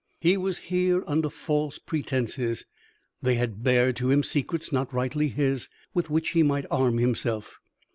He was here under false pretences; they had bared to him secrets not rightly his, with which he might arm himself.